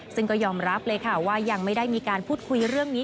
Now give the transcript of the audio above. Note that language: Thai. ซึ่งก็ยอมรับเลยค่ะว่ายังไม่ได้มีการพูดคุยเรื่องนี้